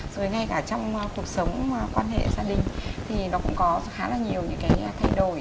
rồi ngay cả trong cuộc sống quan hệ gia đình thì nó cũng có khá là nhiều những cái thay đổi